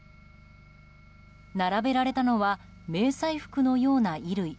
並べられたのは迷彩服のような衣類。